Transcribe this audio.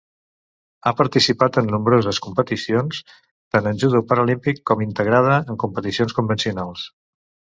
Ha participat en nombroses competicions tant en judo paralímpic com integrada en competicions convencionals.